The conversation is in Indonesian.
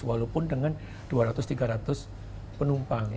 walaupun dengan dua ratus tiga ratus penumpang